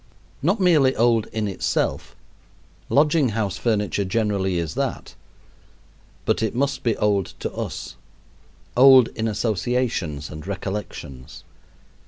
Not merely old in itself lodging house furniture generally is that but it must be old to us, old in associations and recollections.